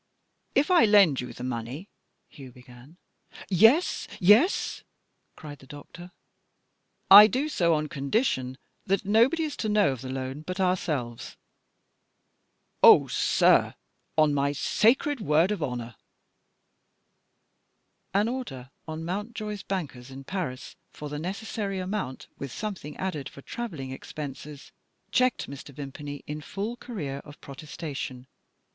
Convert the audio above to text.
"If I lend you the money " Hugh began. "Yes? Yes?" cried the doctor. "I do so on condition that nobody is to know of the loan but ourselves." "Oh, sir, on my sacred word of honour " An order on Mountjoy's bankers in Paris for the necessary amount, with something added for travelling expenses, checked Mr. Vimpany in full career of protestation.